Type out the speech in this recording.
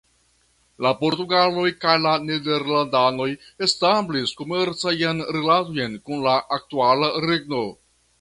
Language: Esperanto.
La portugaloj kaj la nederlandanoj establis komercajn rilatojn kun la aktuala regno.